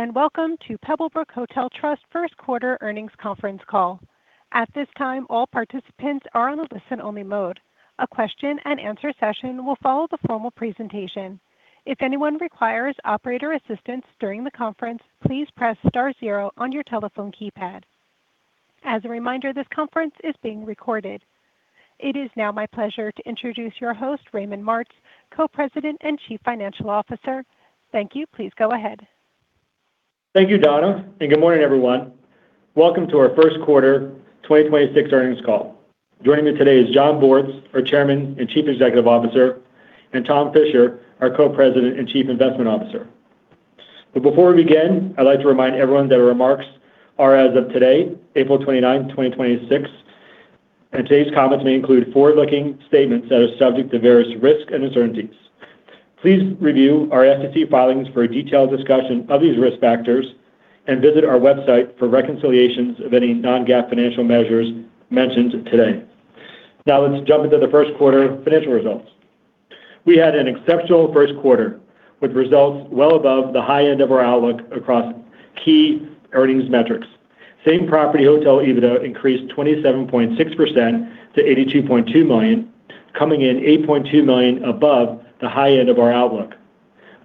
Greetings and welcome to Pebblebrook Hotel Trust first quarter earnings conference call. At this time, all participants are on a listen-only mode. A question and answer session will follow the formal presentation. If anyone requires operator assistance during the conference, please press Star zero on your telephone keypad. As a reminder, this conference is being recorded. It is now my pleasure to introduce your host, Raymond Martz, Co-President and Chief Financial Officer. Thank you. Please go ahead. Thank you, Donna, and good morning, everyone. Welcome to our first quarter 2026 earnings call. Joining me today is Jon Bortz, our Chairman and Chief Executive Officer, and Tom Fisher, our Co-President and Chief Investment Officer. Before we begin, I'd like to remind everyone that our remarks are as of today, April 29, 2026, and today's comments may include forward-looking statements that are subject to various risks and uncertainties. Please review our SEC filings for a detailed discussion of these risk factors and visit our website for reconciliations of any non-GAAP financial measures mentioned today. Let's jump into the first quarter financial results. We had an exceptional first quarter, with results well above the high end of our outlook across key earnings metrics. Same property hotel EBITDA increased 27.6% to $82.2 million, coming in $8.2 million above the high end of our outlook.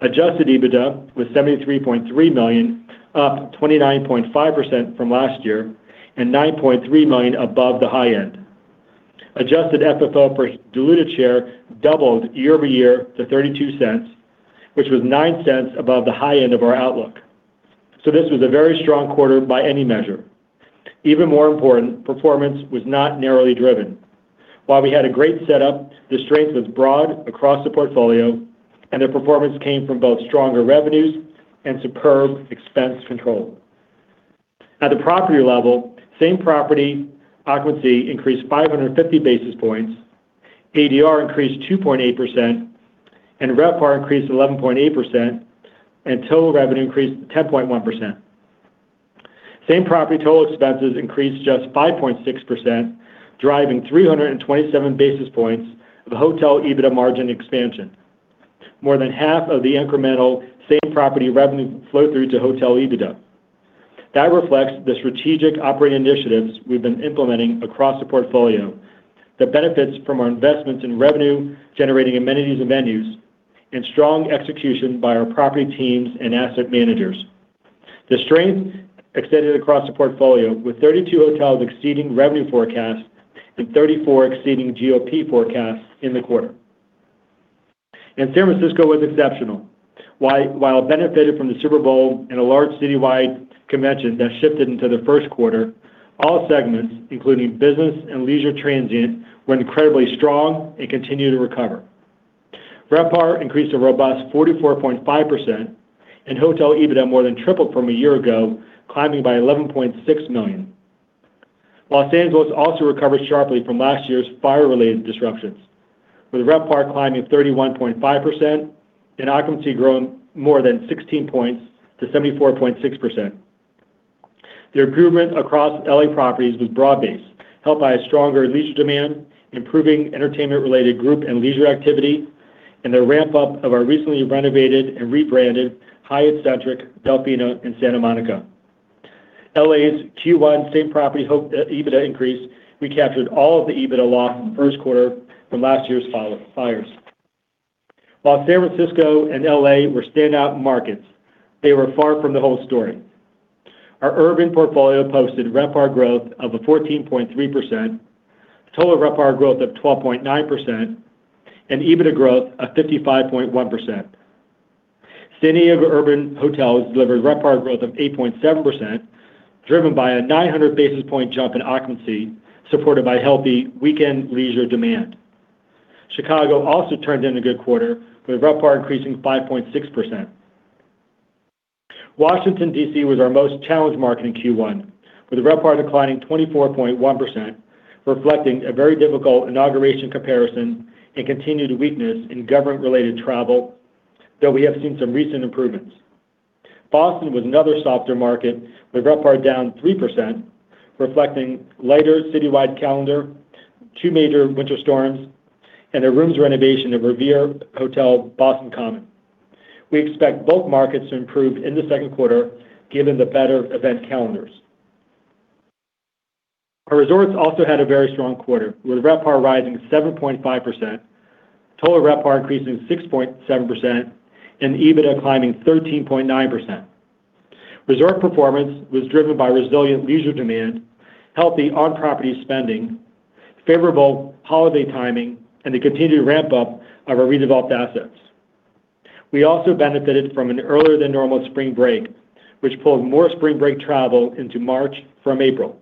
Adjusted EBITDA was $73.3 million, up 29.5% from last year and $9.3 million above the high end. Adjusted FFO per diluted share doubled year-over-year to $0.32, which was $0.09 above the high end of our outlook. This was a very strong quarter by any measure. Even more important, performance was not narrowly driven. While we had a great setup, the strength was broad across the portfolio, and the performance came from both stronger revenues and superb expense control. At the property level, same property occupancy increased 550 basis points, ADR increased 2.8%, RevPAR increased 11.8%, total revenue increased 10.1%. Same property total expenses increased just 5.6%, driving 327 basis points of hotel EBITDA margin expansion. More than half of the incremental same property revenue flow through to hotel EBITDA. That reflects the strategic operating initiatives we've been implementing across the portfolio that benefits from our investments in revenue, generating amenities and venues, and strong execution by our property teams and asset managers. The strength extended across the portfolio, with 32 hotels exceeding revenue forecasts and 34 exceeding GOP forecasts in the quarter. San Francisco was exceptional. While it benefited from the Super Bowl and a large citywide convention that shifted into the first quarter, all segments, including business and leisure transient, were incredibly strong and continued to recover. RevPAR increased a robust 44.5%, and hotel EBITDA more than tripled from a year ago, climbing by $11.6 million. Los Angeles also recovered sharply from last year's fire-related disruptions, with RevPAR climbing 31.5% and occupancy growing more than 16 points to 74.6%. The improvement across L.A. properties was broad-based, helped by a stronger leisure demand, improving entertainment-related group and leisure activity, and the ramp-up of our recently renovated and rebranded Hyatt Centric Delfina in Santa Monica. L.A.'s Q1 same property EBITDA increase recaptured all of the EBITDA loss in the first quarter from last year's fires. While San Francisco and L.A. were standout markets, they were far from the whole story. Our urban portfolio posted RevPAR growth of 14.3%, Total RevPAR growth of 12.9%, and EBITDA growth of 55.1%. San Diego urban hotels delivered RevPAR growth of 8.7%, driven by a 900 basis point jump in occupancy, supported by healthy weekend leisure demand. Chicago also turned in a good quarter, with RevPAR increasing 5.6%. Washington, D.C. was our most challenged market in Q1, with RevPAR declining 24.1%, reflecting a very difficult inauguration comparison and continued weakness in government-related travel, though we have seen some recent improvements. Boston was another softer market, with RevPAR down 3%, reflecting lighter citywide calendar, two major winter storms, and a rooms renovation of Revere Hotel Boston Common. We expect both markets to improve in the second quarter, given the better event calendars. Our resorts also had a very strong quarter, with RevPAR rising 7.5%, Total RevPAR increasing 6.7%, and EBITDA climbing 13.9%. Resort performance was driven by resilient leisure demand, healthy on-property spending, favorable holiday timing, and the continued ramp-up of our redeveloped assets. We also benefited from an earlier than normal spring break, which pulled more spring break travel into March from April.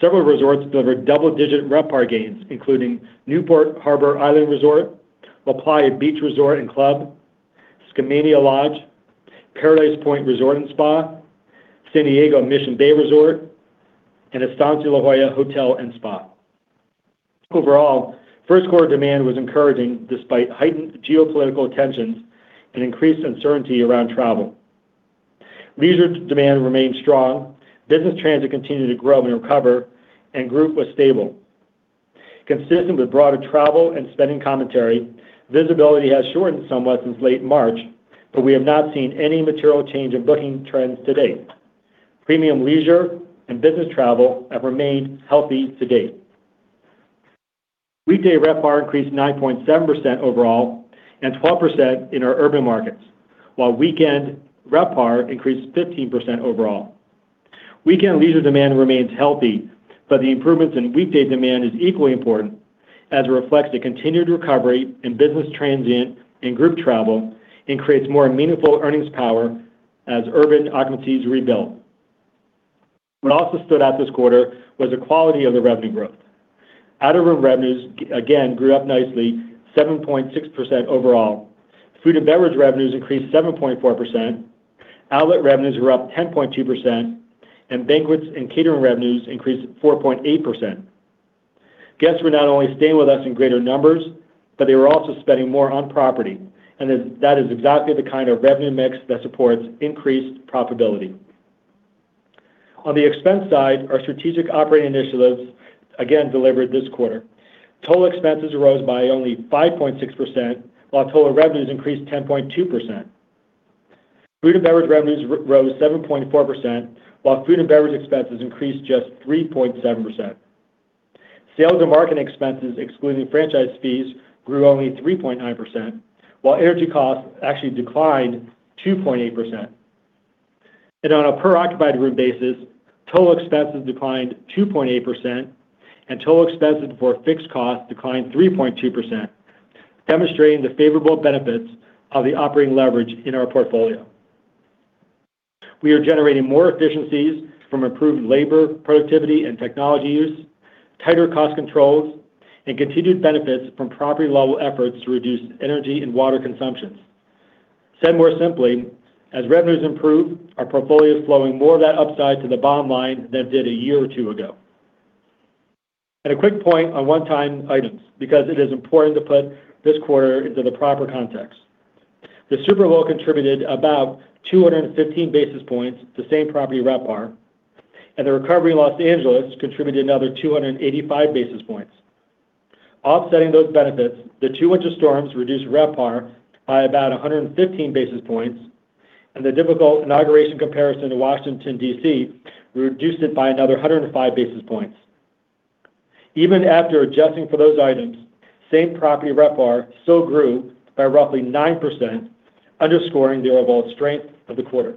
Several resorts delivered double-digit RevPAR gains, including Newport Harbor Island Resort, LaPlaya Beach Resort & Club, Skamania Lodge, Paradise Point Resort & Spa, San Diego Mission Bay Resort, and Estancia La Jolla Hotel & Spa. Overall, first quarter demand was encouraging despite heightened geopolitical tensions and increased uncertainty around travel. Leisure demand remained strong, business transit continued to grow and recover, and group was stable. Consistent with broader travel and spending commentary, visibility has shortened somewhat since late March, but we have not seen any material change in booking trends to date. Premium leisure and business travel have remained healthy to date. Weekday RevPAR increased 9.7% overall and 12% in our urban markets, while weekend RevPAR increased 15% overall. Weekend leisure demand remains healthy, but the improvements in weekday demand is equally important as it reflects the continued recovery in business transient and group travel and creates more meaningful earnings power as urban occupancies rebuild. What also stood out this quarter was the quality of the revenue growth. Out-of-room revenues, again, grew up nicely, 7.6% overall. Food and beverage revenues increased 7.4%. Outlet revenues were up 10.2%, and banquets and catering revenues increased 4.8%. Guests were not only staying with us in greater numbers, but they were also spending more on property, and that is exactly the kind of revenue mix that supports increased profitability. On the expense side, our strategic operating initiatives again delivered this quarter. Total expenses rose by only 5.6%, while total revenues increased 10.2%. Food and beverage revenues rose 7.4%, while food and beverage expenses increased just 3.7%. Sales and marketing expenses, excluding franchise fees, grew only 3.9%, while energy costs actually declined 2.8%. On a per occupied room basis, total expenses declined 2.8% and total expenses before fixed costs declined 3.2%, demonstrating the favorable benefits of the operating leverage in our portfolio. We are generating more efficiencies from improved labor, productivity, and technology use, tighter cost controls, and continued benefits from property level efforts to reduce energy and water consumptions. Said more simply, as revenues improve, our portfolio is flowing more of that upside to the bottom line than it did a year or two ago. A quick point on one-time items, because it is important to put this quarter into the proper context. The Super Bowl contributed about 215 basis points to same-property RevPAR, and the recovery in Los Angeles contributed another 285 basis points. Offsetting those benefits, the two winter storms reduced RevPAR by about 115 basis points, and the difficult inauguration comparison in Washington, D.C., reduced it by another 105 basis points. Even after adjusting for those items, same-property RevPAR still grew by roughly 9%, underscoring the overall strength of the quarter.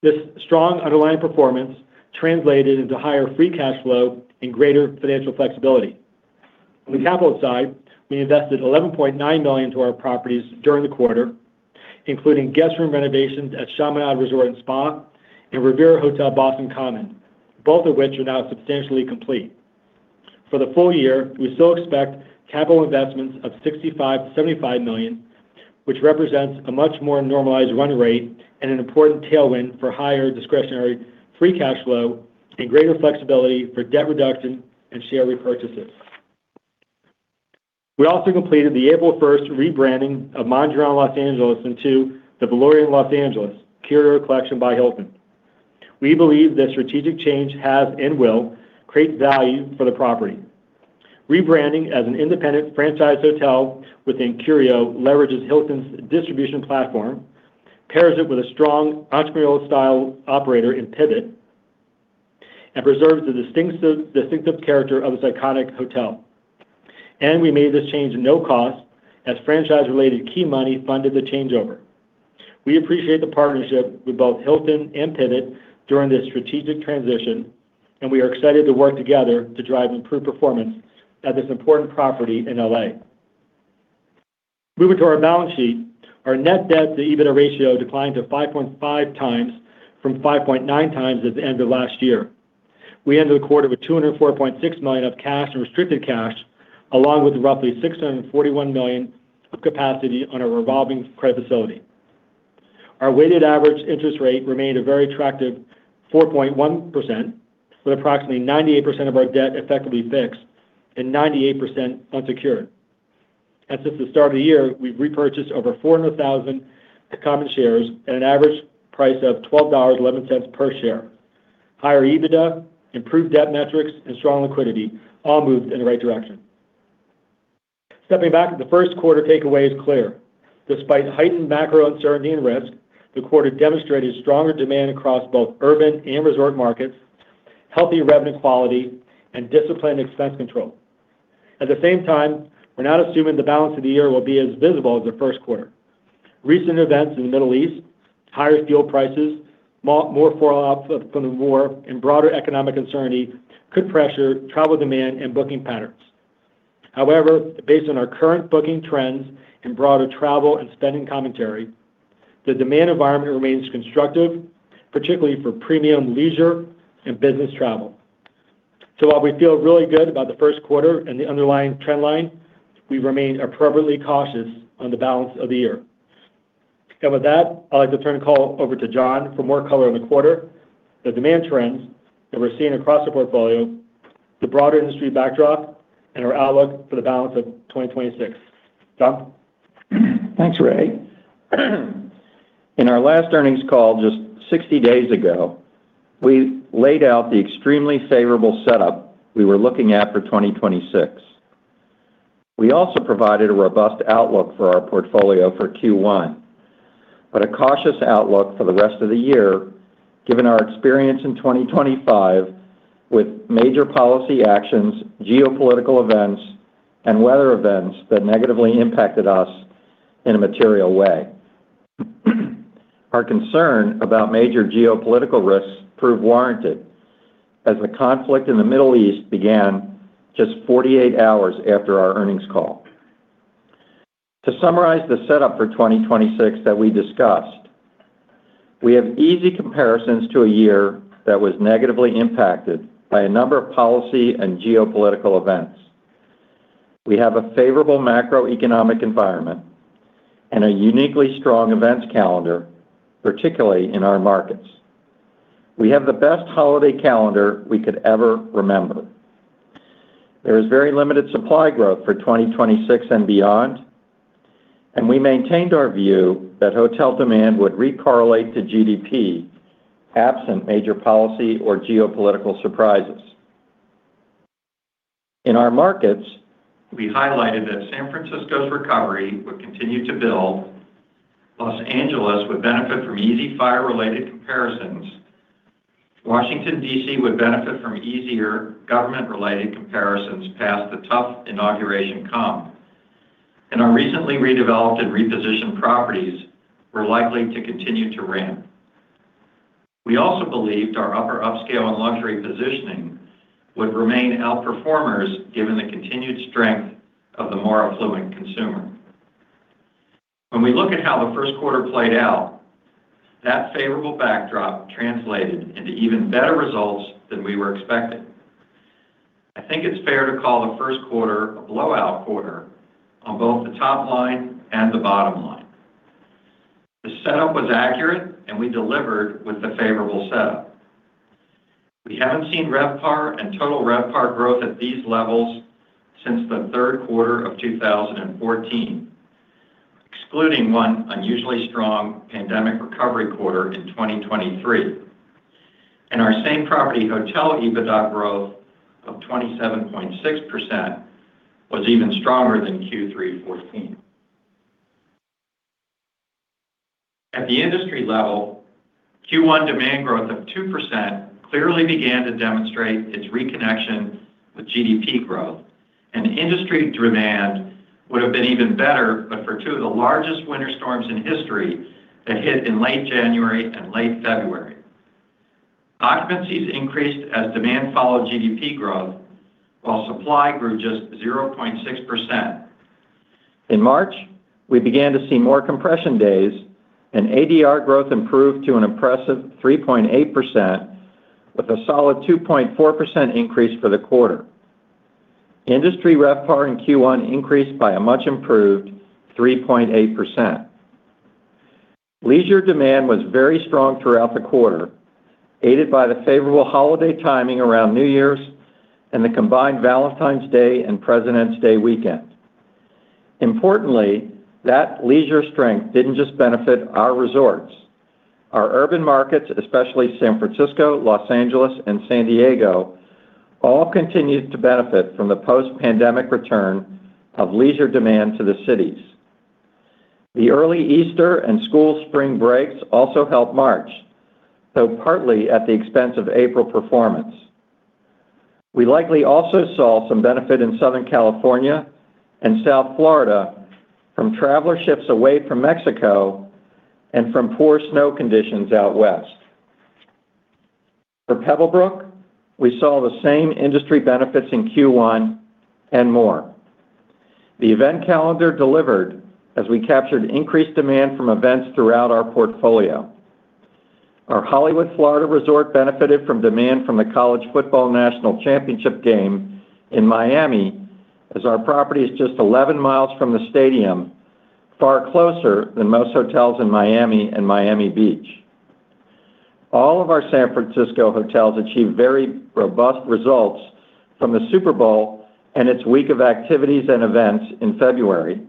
This strong underlying performance translated into higher free cash flow and greater financial flexibility. On the capital side, we invested $11.9 million into our properties during the quarter, including guest room renovations at Chaminade Resort & Spa and Revere Hotel Boston Common, both of which are now substantially complete. For the full year, we still expect capital investments of $65 million-$75 million, which represents a much more normalized run rate and an important tailwind for higher discretionary free cash flow and greater flexibility for debt reduction and share repurchases. We also completed the April 1st rebranding of Mondrian Los Angeles into The Valorian Los Angeles, Curio Collection by Hilton. We believe this strategic change has and will create value for the property. Rebranding as an independent franchise hotel within Curio leverages Hilton's distribution platform, pairs it with a strong entrepreneurial style operator in Pivot, and preserves the distinctive character of this iconic hotel. We made this change at no cost as franchise-related key money funded the changeover. We appreciate the partnership with both Hilton and Pivot during this strategic transition, and we are excited to work together to drive improved performance at this important property in L.A. Moving to our balance sheet, our net debt to EBITDA ratio declined to 5.5 times from 5.9 times at the end of last year. We ended the quarter with $204.6 million of cash and restricted cash, along with roughly $641 million of capacity on our revolving credit facility. Our weighted average interest rate remained a very attractive 4.1%, with approximately 98% of our debt effectively fixed and 98% unsecured. Since the start of the year, we've repurchased over 400,000 common shares at an average price of $12.11 per share. Higher EBITDA, improved debt metrics, and strong liquidity all moved in the right direction. Stepping back, the first quarter takeaway is clear. Despite heightened macro uncertainty and risk, the quarter demonstrated stronger demand across both urban and resort markets, healthy revenue quality, and disciplined expense control. At the same time, we're not assuming the balance of the year will be as visible as the first quarter. Recent events in the Middle East, higher fuel prices, more fallout from the war, and broader economic uncertainty could pressure travel demand and booking patterns. However, based on our current booking trends and broader travel and spending commentary, the demand environment remains constructive, particularly for premium leisure and business travel. While we feel really good about the first quarter and the underlying trend line, we remain appropriately cautious on the balance of the year. With that, I'd like to turn the call over to Jon Bortz for more color on the quarter, the demand trends that we're seeing across the portfolio, the broader industry backdrop, and our outlook for the balance of 2026. Jon Bortz? Thanks, Ray. In our last earnings call just 60 days ago, we laid out the extremely favorable setup we were looking at for 2026. We also provided a robust outlook for our portfolio for Q1, but a cautious outlook for the rest of the year, given our experience in 2025 with major policy actions, geopolitical events, and weather events that negatively impacted us in a material way. Our concern about major geopolitical risks proved warranted as the conflict in the Middle East began just 48 hours after our earnings call. To summarize the setup for 2026 that we discussed, we have easy comparisons to a year that was negatively impacted by a number of policy and geopolitical events. We have a favorable macroeconomic environment and a uniquely strong events calendar, particularly in our markets. We have the best holiday calendar we could ever remember. There is very limited supply growth for 2026 and beyond, and we maintained our view that hotel demand would re-correlate to GDP absent major policy or geopolitical surprises. In our markets, we highlighted that San Francisco's recovery would continue to build, Los Angeles would benefit from easy fire-related comparisons, Washington, D.C. would benefit from easier government-related comparisons past the tough inauguration comp, and our recently redeveloped and repositioned properties were likely to continue to ramp. We also believed our upper upscale and luxury positioning would remain outperformers given the continued strength of the more affluent consumer. When we look at how the first quarter played out, that favorable backdrop translated into even better results than we were expecting. I think it's fair to call the first quarter a blowout quarter on both the top line and the bottom line. The setup was accurate, and we delivered with the favorable setup. We haven't seen RevPAR and total RevPAR growth at these levels since the third quarter of 2014, excluding one unusually strong pandemic recovery quarter in 2023. Our same-property hotel EBITDA growth of 27.6% was even stronger than Q3 2014. At the industry level, Q1 demand growth of 2% clearly began to demonstrate its reconnection with GDP growth, and industry demand would have been even better but for two of the largest winter storms in history that hit in late January and late February. Occupancies increased as demand followed GDP growth while supply grew just 0.6%. In March, we began to see more compression days and ADR growth improved to an impressive 3.8% with a solid 2.4% increase for the quarter. Industry RevPAR in Q1 increased by a much improved 3.8%. Leisure demand was very strong throughout the quarter, aided by the favorable holiday timing around New Year's and the combined Valentine's Day and President's Day weekend. That leisure strength didn't just benefit our resorts. Our urban markets, especially San Francisco, Los Angeles, and San Diego, all continued to benefit from the post-pandemic return of leisure demand to the cities. The early Easter and school spring breaks also helped March, though partly at the expense of April performance. We likely also saw some benefit in Southern California and South Florida from traveler shifts away from Mexico and from poor snow conditions out west. For Pebblebrook, we saw the same industry benefits in Q1 and more. The event calendar delivered as we captured increased demand from events throughout our portfolio. Our Hollywood, Florida resort benefited from demand from the College Football National Championship game in Miami as our property is just 11 miles from the stadium, far closer than most hotels in Miami and Miami Beach. All of our San Francisco hotels achieved very robust results from the Super Bowl and its week of activities and events in February.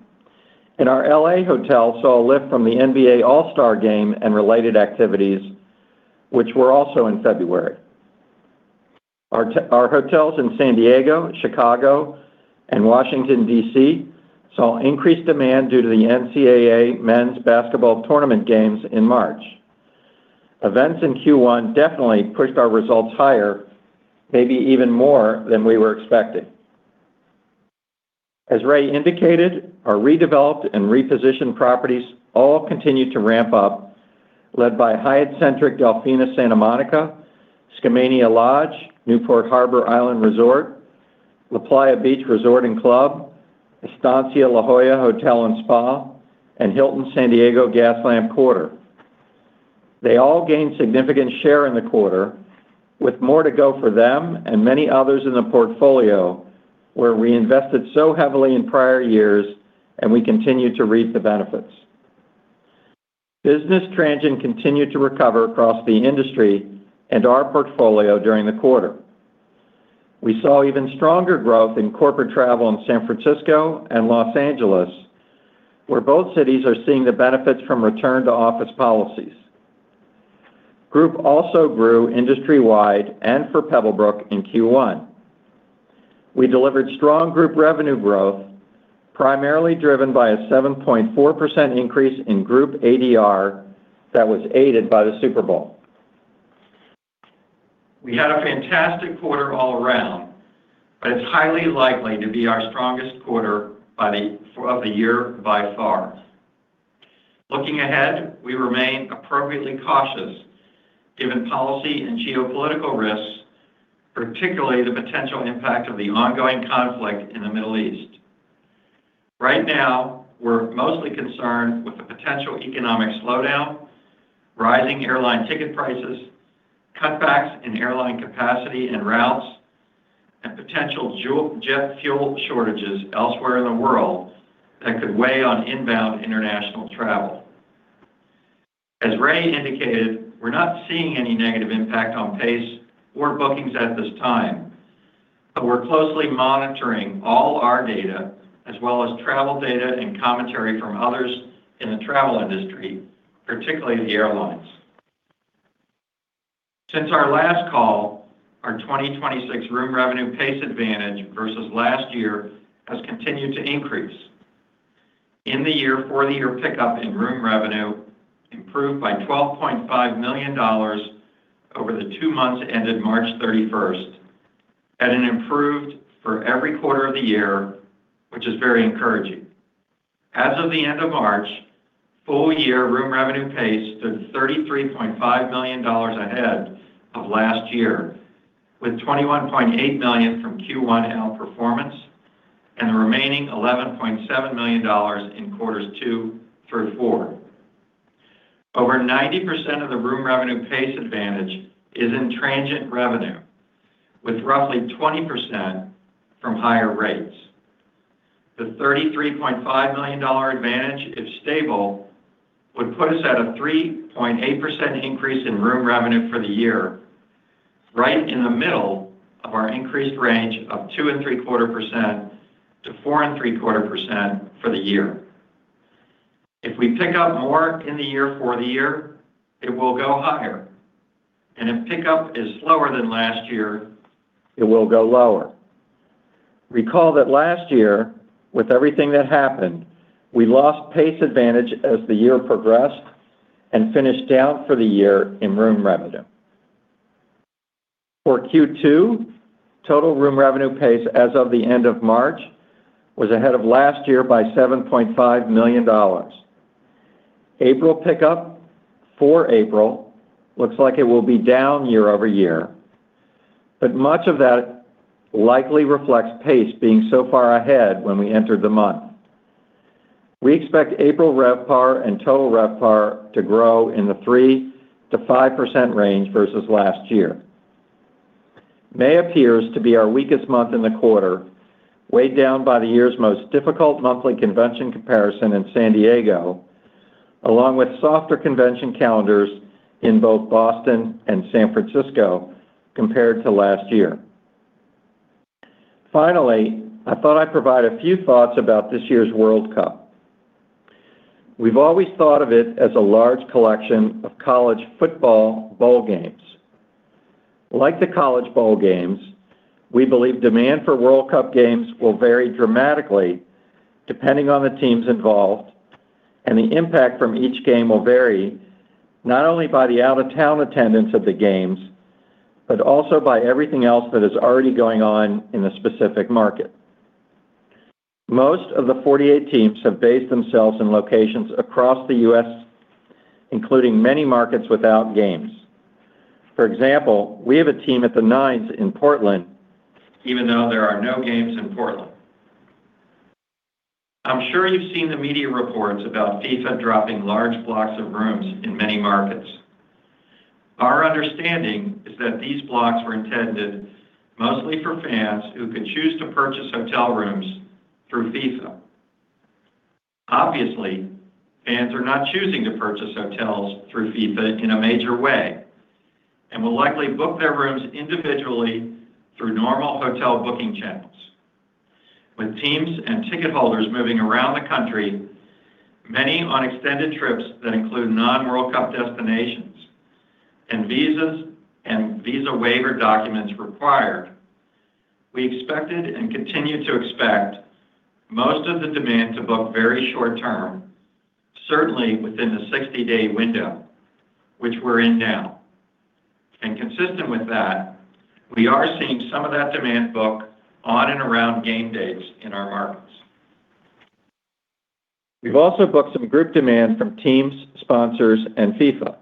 Our L.A. hotel saw a lift from the NBA All-Star Game and related activities, which were also in February. Our hotels in San Diego, Chicago, and Washington, D.C. saw increased demand due to the NCAA Men's Basketball Tournament games in March. Events in Q1 definitely pushed our results higher, maybe even more than we were expecting. As Ray indicated, our redeveloped and repositioned properties all continued to ramp up, led by Hyatt Centric Delfina Santa Monica, Skamania Lodge, Newport Harbor Island Resort, LaPlaya Beach Resort & Club, Estancia La Jolla Hotel & Spa, and Hilton San Diego Gaslamp Quarter. They all gained significant share in the quarter with more to go for them and many others in the portfolio where we invested so heavily in prior years and we continue to reap the benefits. Business transient continued to recover across the industry and our portfolio during the quarter. We saw even stronger growth in corporate travel in San Francisco and Los Angeles, where both cities are seeing the benefits from return to office policies. Group also grew industry-wide and for Pebblebrook in Q1. We delivered strong group revenue growth, primarily driven by a 7.4% increase in group ADR that was aided by the Super Bowl. It's highly likely to be our strongest quarter of the year by far. Looking ahead, we remain appropriately cautious given policy and geopolitical risks, particularly the potential impact of the ongoing conflict in the Middle East. Right now, we're mostly concerned with the potential economic slowdown, rising airline ticket prices, cutbacks in airline capacity and routes, and potential jet fuel shortages elsewhere in the world that could weigh on inbound international travel. As Ray indicated, we're not seeing any negative impact on pace or bookings at this time. We're closely monitoring all our data as well as travel data and commentary from others in the travel industry, particularly the airlines. Since our last call, our 2026 room revenue pace advantage versus last year has continued to increase. In the year, for-the-year pickup in room revenue improved by $12.5 million over the two months ended March 31st at an improved for every quarter of the year, which is very encouraging. As of the end of March, full year room revenue pace stood $33.5 million ahead of last year with $21.8 million from Q1 outperformance and the remaining $11.7 million in quarters two through four. Over 90% of the room revenue pace advantage is in transient revenue, with roughly 20% from higher rates. The $33.5 million advantage, if stable, would put us at a 3.8% increase in room revenue for the year, right in the middle of our increased range of 2.75%-4.75% for the year. If we pick up more in the year for the year, it will go higher. If pickup is slower than last year, it will go lower. Recall that last year, with everything that happened, we lost pace advantage as the year progressed and finished down for the year in room revenue. For Q2, total room revenue pace as of the end of March was ahead of last year by $7.5 million. April pickup for April looks like it will be down year-over-year, but much of that likely reflects pace being so far ahead when we entered the month. We expect April RevPAR and Total RevPAR to grow in the 3%-5% range versus last year. May appears to be our weakest month in the quarter, weighed down by the year's most difficult monthly convention comparison in San Diego, along with softer convention calendars in both Boston and San Francisco compared to last year. Finally, I thought I'd provide a few thoughts about this year's World Cup. We've always thought of it as a large collection of college football bowl games. Like the college bowl games, we believe demand for World Cup games will vary dramatically depending on the teams involved, and the impact from each game will vary not only by the out-of-town attendance of the games, but also by everything else that is already going on in the specific market. Most of the 48 teams have based themselves in locations across the U.S., including many markets without games. For example, we have a team at The Nines in Portland, even though there are no games in Portland. I'm sure you've seen the media reports about FIFA dropping large blocks of rooms in many markets. Our understanding is that these blocks were intended mostly for fans who could choose to purchase hotel rooms through FIFA. Obviously, fans are not choosing to purchase hotels through FIFA in a major way and will likely book their rooms individually through normal hotel booking channels. With teams and ticket holders moving around the country, many on extended trips that include non-World Cup destinations and visas and visa waiver documents required, we expected and continue to expect most of the demand to book very short term, certainly within the 60-day window, which we're in now. Consistent with that, we are seeing some of that demand book on and around game dates in our markets. We've also booked some group demands from teams, sponsors, and FIFA.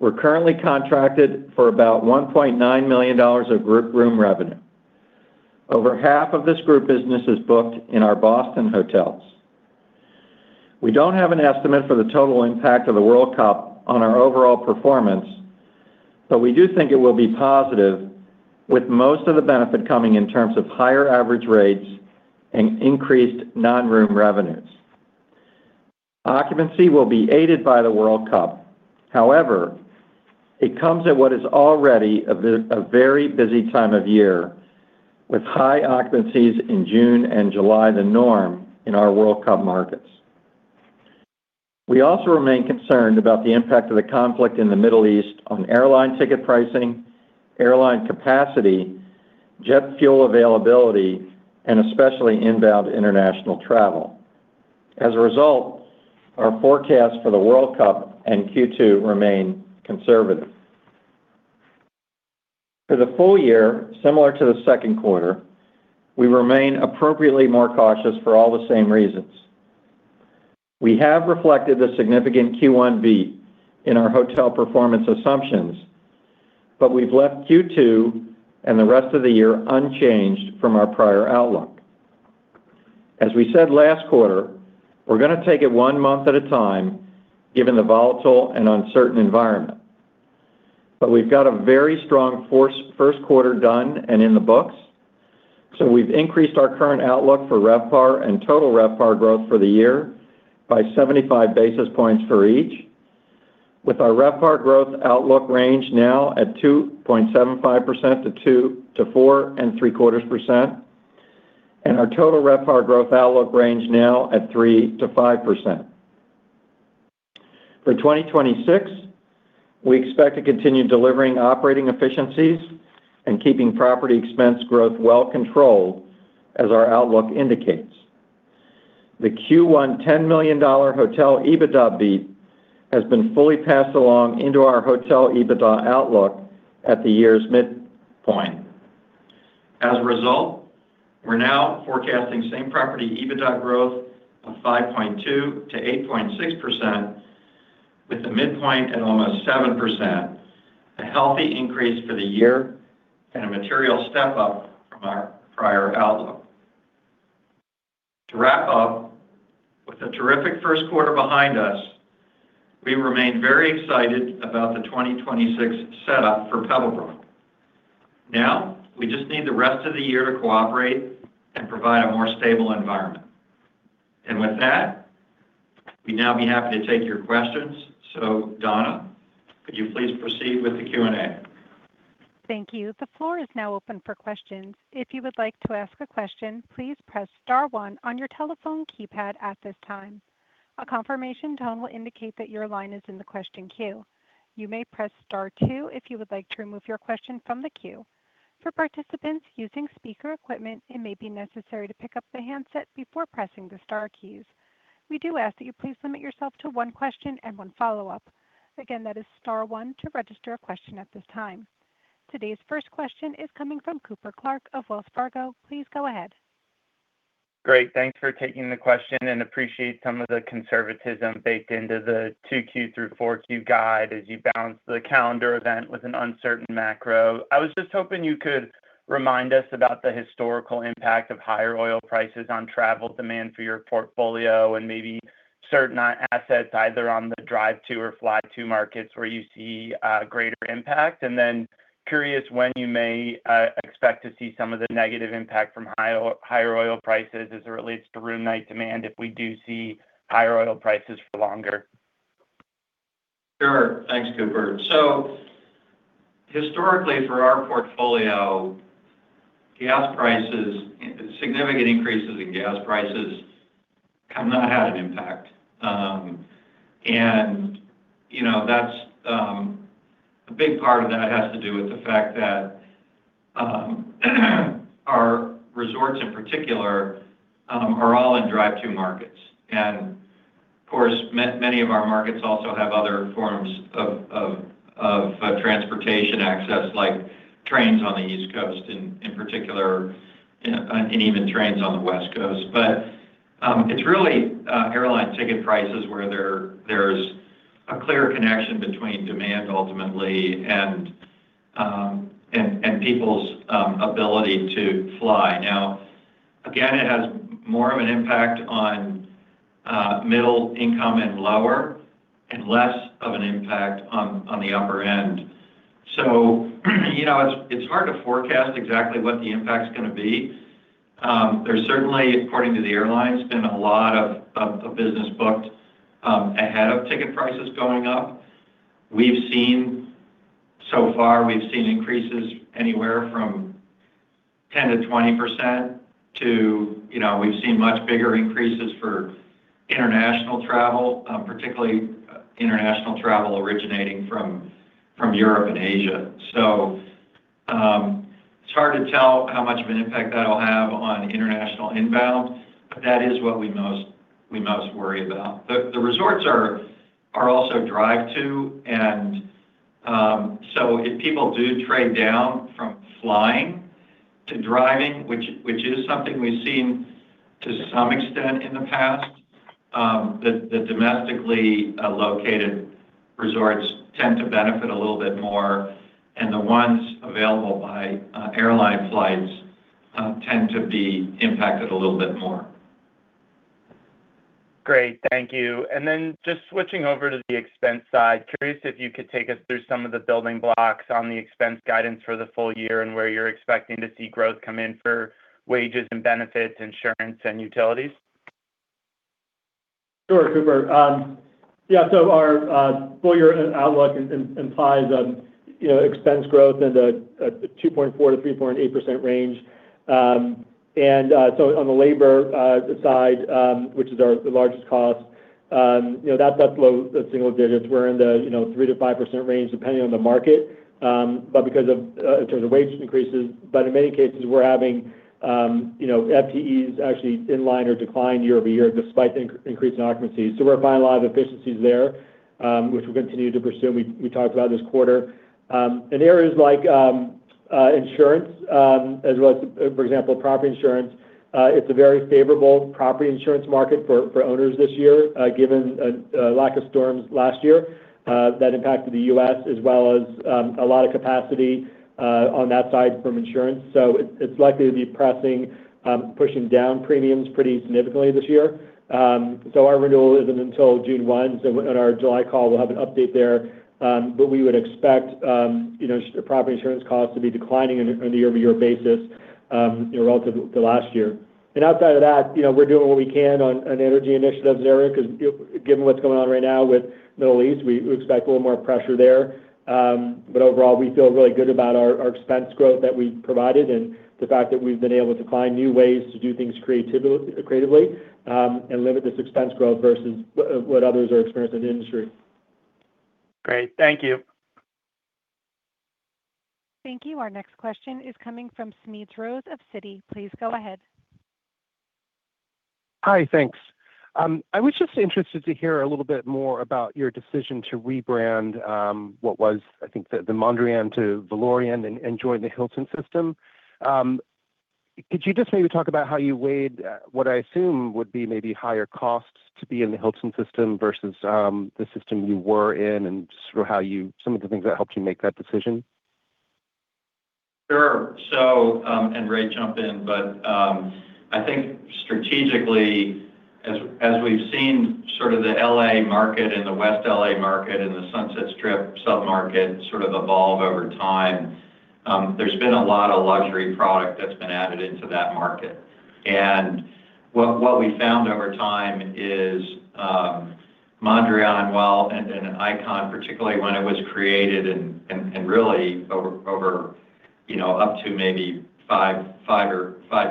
We're currently contracted for about $1.9 million of group room revenue. Over half of this group business is booked in our Boston hotels. We don't have an estimate for the total impact of the World Cup on our overall performance, but we do think it will be positive with most of the benefit coming in terms of higher average rates and increased non-room revenues. Occupancy will be aided by the World Cup. However, it comes at what is already a very busy time of year with high occupancies in June and July, the norm in our World Cup markets. We also remain concerned about the impact of the conflict in the Middle East on airline ticket pricing, airline capacity, jet fuel availability, and especially inbound international travel. As a result, our forecast for the World Cup and Q2 remain conservative. For the full year, similar to the second quarter, we remain appropriately more cautious for all the same reasons. We have reflected the significant Q1 beat in our hotel performance assumptions. We've left Q2 and the rest of the year unchanged from our prior outlook. As we said last quarter, we're gonna take it one month at a time given the volatile and uncertain environment. We've got a very strong first quarter done and in the books. We've increased our current outlook for RevPAR and total RevPAR growth for the year by 75 basis points for each, with our RevPAR growth outlook range now at 2.75% to 4.75%, and our total RevPAR growth outlook range now at 3% to 5%. For 2026, we expect to continue delivering operating efficiencies and keeping property expense growth well controlled as our outlook indicates. The Q1 $10 million hotel EBITDA beat has been fully passed along into our hotel EBITDA outlook at the year's midpoint. As a result, we're now forecasting same property EBITDA growth of 5.2%-8.6% with the midpoint at almost 7%, a healthy increase for the year and a material step up from our prior outlook. To wrap up, with a terrific first quarter behind us, we remain very excited about the 2026 setup for Pebblebrook. We just need the rest of the year to cooperate and provide a more stable environment. With that, we'd now be happy to take your questions. Donna, could you please proceed with the Q&A? Thank you. The floor is now open for questions. If you would like to ask a question, please press Star one on your telephone keypad at this time. A confirmation tone will indicate that your line is in the question queue. You may press Star two if you would like to remove your question from the queue. For participants using speaker equipment, it may be necessary to pick up the handset before pressing the star keys. We do ask that you please limit yourself to one question and one follow-up. Again, that is Star one to register a question at this time. Today's first question is coming from Cooper Clark of Wells Fargo. Please go ahead. Great. Thanks for taking the question. Appreciate some of the conservatism baked into the 2Q through 4Q guide as you balance the calendar event with an uncertain macro. I was just hoping you could remind us about the historical impact of higher oil prices on travel demand for your portfolio and maybe certain assets either on the drive to or fly to markets where you see greater impact. Then curious when you may expect to see some of the negative impact from higher oil prices as it relates to room night demand if we do see higher oil prices for longer. Sure. Thanks, Cooper. Historically for our portfolio, significant increases in gas prices have not had an impact. You know, a big part of that has to do with the fact that our resorts in particular are all in drive to markets. Of course, many of our markets also have other forms of transportation access like trains on the East Coast in particular and even trains on the West Coast. It's really airline ticket prices where there's a clear connection between demand ultimately and people's ability to fly. Now, again, it has more of an impact on middle income and lower and less of an impact on the upper end. You know, it's hard to forecast exactly what the impact's gonna be. There's certainly, according to the airlines, been a lot of business booked ahead of ticket prices going up. So far, we've seen increases anywhere from 10%-20% to, you know, we've seen much bigger increases for international travel, particularly international travel originating from Europe and Asia. It's hard to tell how much of an impact that'll have on international inbound, but that is what we most worry about. The resorts are also drive to and if people do trade down from flying to driving, which is something we've seen to some extent in the past, the domestically located resorts tend to benefit a little bit more, and the ones available by airline flights tend to be impacted a little bit more. Great. Thank you. Just switching over to the expense side, curious if you could take us through some of the building blocks on the expense guidance for the full year and where you're expecting to see growth come in for wages and benefits, insurance, and utilities. Sure, Cooper. Our full year outlook implies expense growth into a 2.4%-3.8% range. On the labor side, which is our largest cost, that's low single digits. We're in the 3%-5% range, depending on the market. In terms of wage increases, but in many cases, we're having FTEs actually in line or decline year-over-year, despite increased occupancy. We're finding a lot of efficiencies there, which we'll continue to pursue, and we talked about this quarter. In areas like insurance, as well as, for example, property insurance, it's a very favorable property insurance market for owners this year, given lack of storms last year that impacted the U.S. as well as a lot of capacity on that side from insurance. It's likely to be pressing, pushing down premiums pretty significantly this year. Our renewal isn't until June 1, so in our July call, we'll have an update there. We would expect, you know, property insurance costs to be declining on a year-over-year basis, you know, relative to last year. Outside of that, you know, we're doing what we can on energy initiatives area, 'cause given what's going on right now with Middle East, we expect a little more pressure there. Overall, we feel really good about our expense growth that we provided and the fact that we've been able to find new ways to do things creatively, and limit this expense growth versus what others are experiencing in the industry. Great. Thank you. Thank you. Our next question is coming from Smedes Rose of Citi. Please go ahead. Hi. Thanks. I was just interested to hear a little bit more about your decision to rebrand, what was I think the Mondrian to Valorian and join the Hilton system. Could you just maybe talk about how you weighed, what I assume would be maybe higher costs to be in the Hilton system versus the system you were in and sort of some of the things that helped you make that decision? Sure. Ray, jump in, but, I think strategically as we've seen sort of the L.A. market and the West L.A. market and the Sunset Strip sub-market sort of evolve over time, there's been a lot of luxury product that's been added into that market. What we found over time is Mondrian and Well and Hotel ICON, particularly when it was created and really over, you know, up to maybe five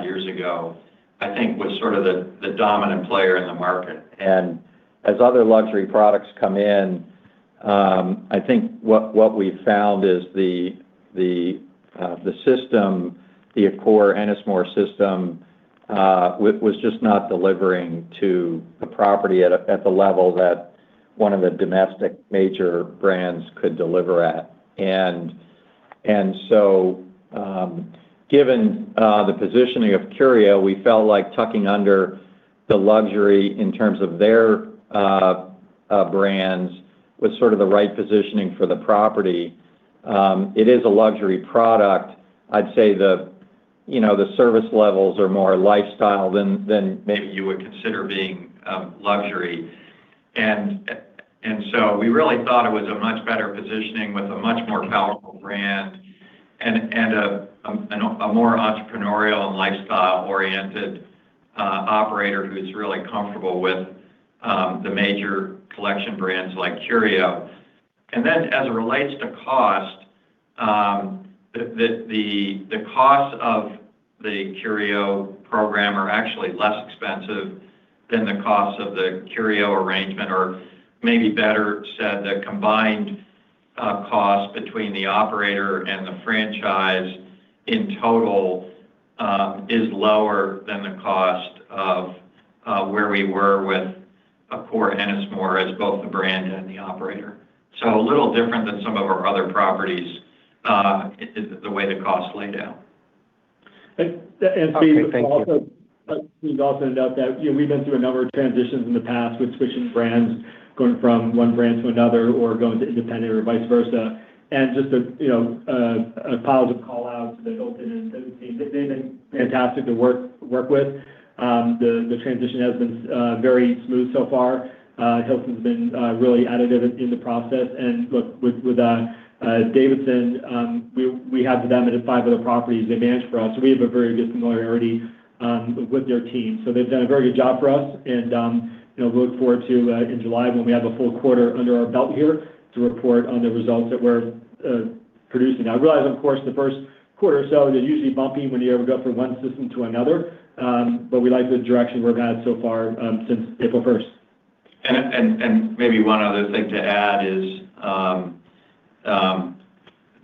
years ago, I think was sort of the dominant player in the market. As other luxury products come in, I think what we've found is the system, the Accor Ennismore system, was just not delivering to the property at the level that one of the domestic major brands could deliver at. Given the positioning of Curio, we felt like tucking under the luxury in terms of their brands was sort of the right positioning for the property. It is a luxury product. I'd say the, you know, the service levels are more lifestyle than maybe you would consider being luxury. We really thought it was a much better positioning with a much more powerful brand and a more entrepreneurial and lifestyle-oriented operator who's really comfortable with the major collection brands like Curio. As it relates to cost, the costs of the Curio program are actually less expensive than the costs of the Curio arrangement, or maybe better said, the combined cost between the operator and the franchise in total, is lower than the cost of where we were with Accor Ennismore as both the brand and the operator. A little different than some of our other properties, is the way the costs laid out. Smedes, also. Okay. Thank you. Smedes, I'll also note that, you know, we've been through a number of transitions in the past with switching brands, going from one brand to another or going to independent or vice versa. Just a, you know, a positive call-out to the Hilton and the team. They've been fantastic to work with. The transition has been very smooth so far. Hilton's been really additive in the process. Look, with Davidson, we have them at five other properties they manage for us, so we have a very good familiarity with their team. They've done a very good job for us and, you know, we look forward to in July when we have a full quarter under our belt here to report on the results that we're producing. I realize, of course, the first quarter or so is usually bumpy when you ever go from one system to another, but we like the direction we've had so far, since April first. Maybe one other thing to add is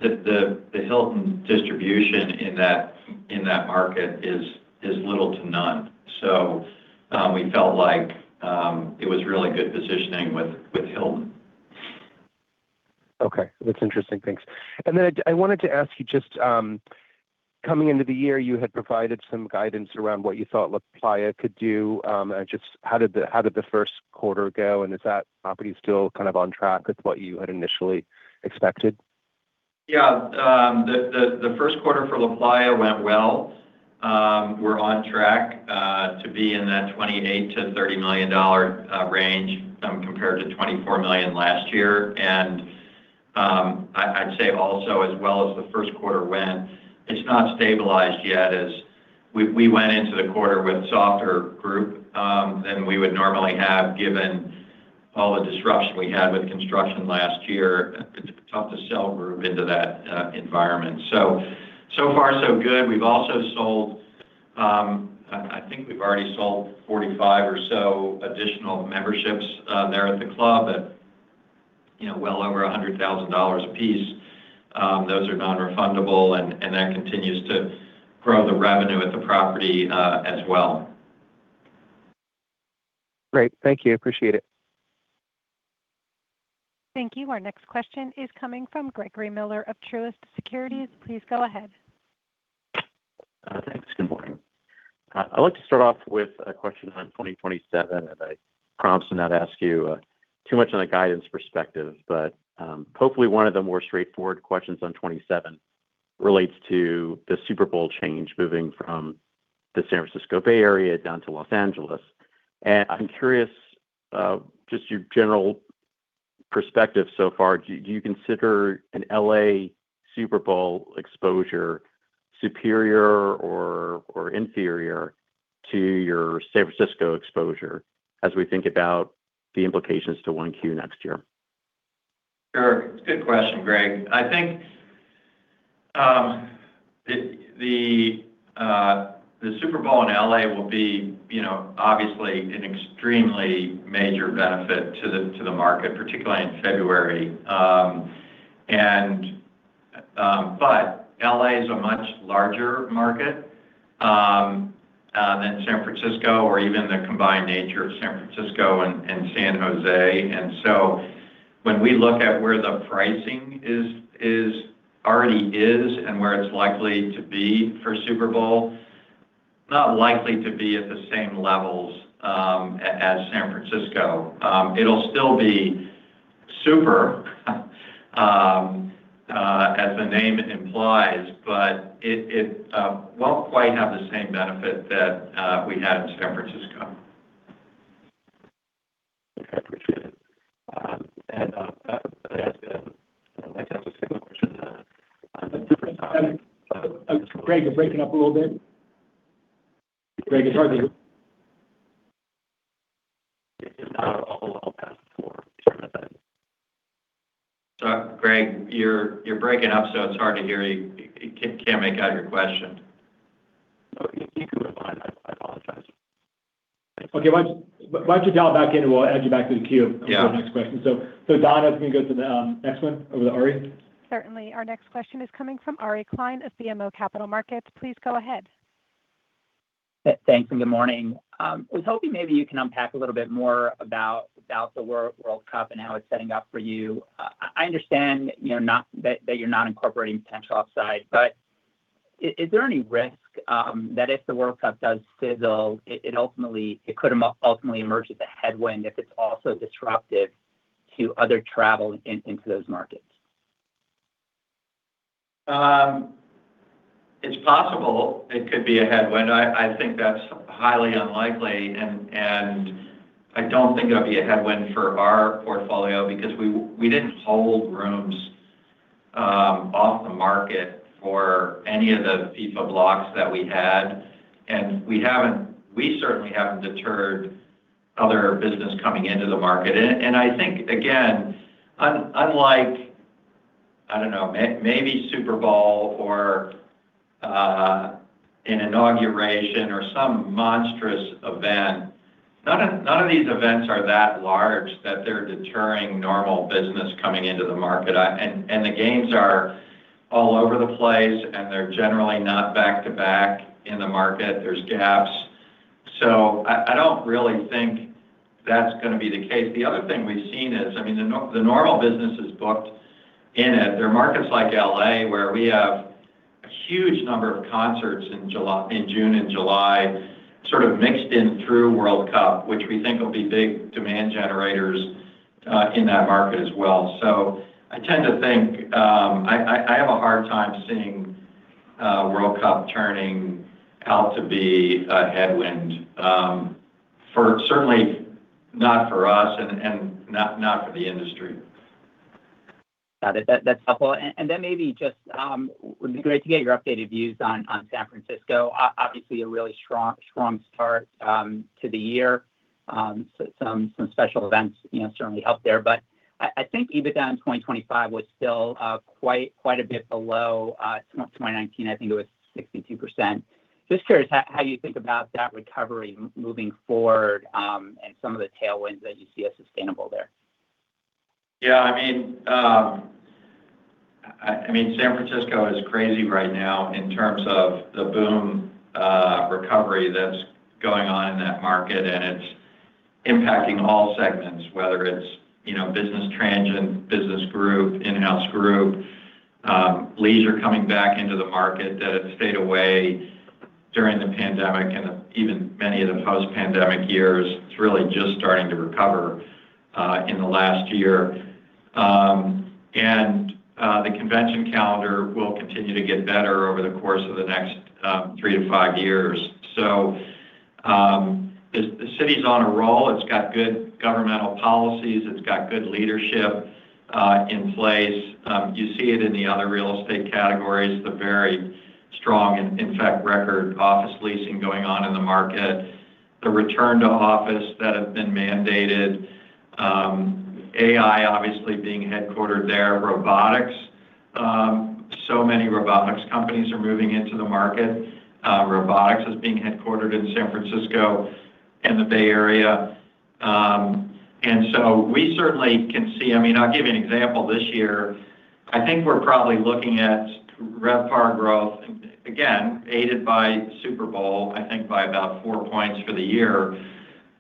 the Hilton distribution in that market is little to none. We felt like it was really good positioning with Hilton. Okay. That's interesting. Thanks. I wanted to ask you just, coming into the year, you had provided some guidance around what you thought LaPlaya could do, how did the first quarter go, and is that property still kind of on track with what you had initially expected? The first quarter for LaPlaya went well. We're on track to be in that $28 million-$30 million range, compared to $24 million last year. I'd say also as well as the first quarter when it's not stabilized yet, we went into the quarter with softer group than we would normally have, given all the disruption we had with construction last year. It's tough to sell group into that environment. So far so good. We've also sold, I think we've already sold 45 or so additional memberships there at the club at, you know, well over $100,000 a piece. Those are non-refundable and that continues to grow the revenue at the property as well. Great. Thank you. Appreciate it. Thank you. Our next question is coming from Gregory Miller of Truist Securities. Please go ahead. Thanks. Good morning. I'd like to start off with a question on 2027, and I promise to not ask you too much on the guidance perspective, but hopefully one of the more straightforward questions on 2027 relates to the Super Bowl change, moving from the San Francisco Bay Area down to L.A. I'm curious, just your general perspective so far. Do you consider an L.A. Super Bowl exposure superior or inferior to your San Francisco exposure as we think about the implications to 1Q next year? Sure. Good question, Greg. I think the Super Bowl in L.A. will be, you know, obviously an extremely major benefit to the market, particularly in February. L.A. is a much larger market than San Francisco or even the combined nature of San Francisco and San Jose. When we look at where the pricing already is and where it's likely to be for Super Bowl, not likely to be at the same levels as San Francisco. It'll still be super as the name implies, but it won't quite have the same benefit that we had in San Francisco. Okay. Appreciate it. If I'd like to ask a similar question on a different. Greg, you're breaking up a little bit. Greg, it's hard to hear. It's not a whole lot passed for certain events. Sorry, Greg, you're breaking up, so it's hard to hear you. Can't make out your question. Oh, you go ahead. I apologize. Okay. Why don't you dial back in and we'll add you back to the queue. Yeah for the next question. Don, I was going to go to the next one over to Ari. Certainly. Our next question is coming from Ari Klein of BMO Capital Markets. Please go ahead. Thanks. Good morning. I was hoping maybe you can unpack a little bit more about the World Cup and how it's setting up for you. I understand, you know, that you're not incorporating potential offsite, but is there any risk that if the World Cup does fizzle, it could ultimately emerge as a headwind if it's also disruptive to other travel into those markets? It's possible it could be a headwind. I think that's highly unlikely and I don't think it'll be a headwind for our portfolio because we didn't hold rooms off the market for any of the FIFA blocks that we had, and we certainly haven't deterred other business coming into the market. I think, again, unlike, I don't know, maybe Super Bowl or an inauguration or some monstrous event, none of these events are that large that they're deterring normal business coming into the market. The games are all over the place, and they're generally not back-to-back in the market. There's gaps. I don't really think that's gonna be the case. The other thing we've seen is, I mean, the normal business is booked in it. There are markets like L.A. where we have a huge number of concerts in June and July sort of mixed in through World Cup, which we think will be big demand generators in that market as well. I tend to think I have a hard time seeing a World Cup turning out to be a headwind for certainly not for us and not for the industry. Got it. That's helpful. Then maybe just would be great to get your updated views on San Francisco. Obviously a really strong start to the year. Some special events, you know, certainly helped there. I think EBITDA in 2025 was still quite a bit below 2019. I think it was 62%. Just curious how you think about that recovery moving forward and some of the tailwinds that you see as sustainable there. Yeah, I mean, I mean, San Francisco is crazy right now in terms of the boom recovery that's going on in that market, and it's impacting all segments, whether it's, you know, business transient, business group, in-house group, leisure coming back into the market that had stayed away during the pandemic and even many of the post-pandemic years. It's really just starting to recover in the last year. The convention calendar will continue to get better over the course of the next three to five years. The city's on a roll. It's got good governmental policies. It's got good leadership in place. You see it in the other real estate categories, the very strong and, in fact, record office leasing going on in the market, the return to office that have been mandated, AI obviously being headquartered there, robotics. So many robotics companies are moving into the market. Robotics is being headquartered in San Francisco and the Bay Area. We certainly can see. I mean, I'll give you an example this year. I think we're probably looking at RevPAR growth, again, aided by Super Bowl, I think by about four points for the year.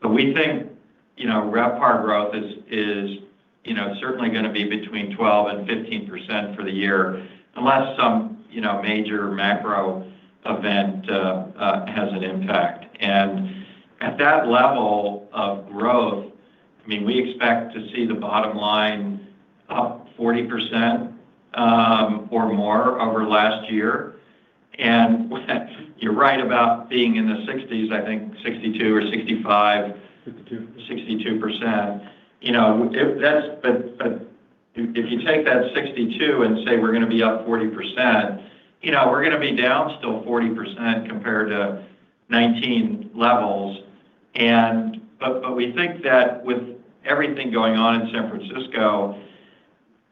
We think, you know, RevPAR growth is, you know, certainly gonna be between 12% and 15% for the year, unless some, you know, major macro event has an impact. At that level of growth, I mean, we expect to see the bottom line up 40% or more over last year. You're right about being in the 60s, I think 62 or 65. 62. 62%. You know, if you take that 62 and say we're gonna be up 40%, you know, we're gonna be down still 40% compared to 2019 levels. We think that with everything going on in San Francisco,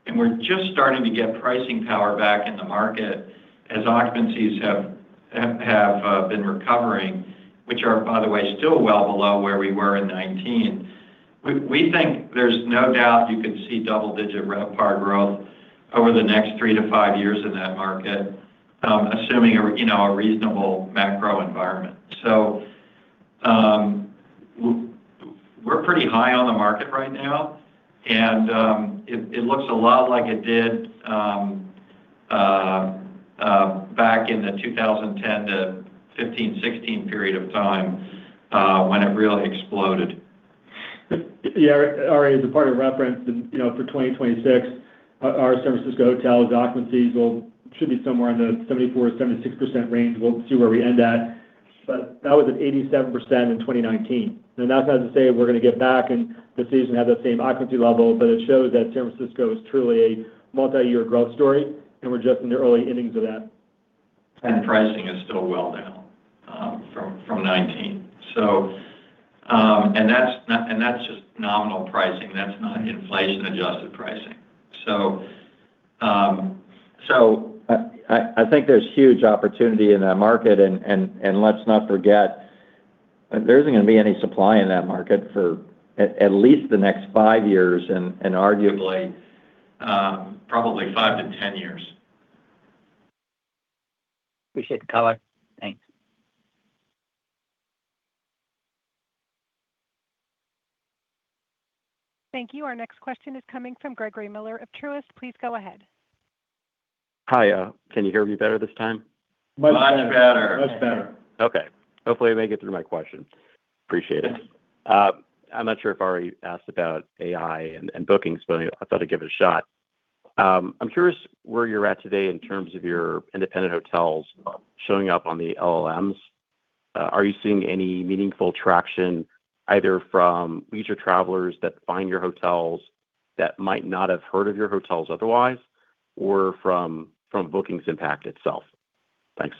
and we're just starting to get pricing power back in the market as occupancies have been recovering, which are, by the way, still well below where we were in 2019. We think there's no doubt you could see double-digit RevPAR growth over the next three to five years in that market, assuming a, you know, a reasonable macro environment. We're pretty high on the market right now and it looks a lot like it did back in the 2010-2015, 2016 period of time when it really exploded. Yeah. Ari, as a point of reference, you know, for 2026, our San Francisco hotels occupancies should be somewhere in the 74%-76% range. We'll see where we end at. That was at 87% in 2019. That's not to say we're gonna get back and this season have that same occupancy level, but it shows that San Francisco is truly a multi-year growth story, and we're just in the early innings of that. Pricing is still well down from 2019. That's just nominal pricing, that's not inflation-adjusted pricing. I think there's huge opportunity in that market. Let's not forget, there isn't gonna be any supply in that market for at least the next five years, and arguably, probably five to 10 years. Appreciate the color. Thanks. Thank you. Our next question is coming from Gregory Miller of Truist. Please go ahead. Hi. Can you hear me better this time? Much better. Much better. Okay. Hopefully, I make it through my question. Appreciate it. I'm not sure if Ari asked about AI and bookings, but I thought I'd give it a shot. I'm curious where you're at today in terms of your independent hotels showing up on the LLMs. Are you seeing any meaningful traction either from leisure travelers that find your hotels that might not have heard of your hotels otherwise, or from bookings impact itself? Thanks.